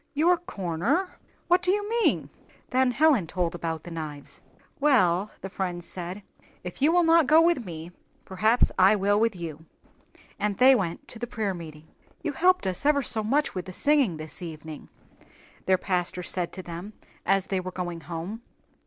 "Your 'corner'! What do you mean?" Then Helen told about the knives. "Well," the friend said, "if you will not go with me, perhaps I will with you," and they went to the prayer meeting. "You helped us ever so much with the singing this evening," their pastor said to them as they were going home.